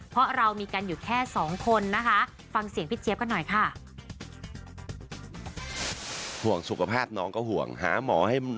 เพราะเรามีกันอยู่แค่สองคนนะคะ